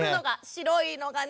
白いのがね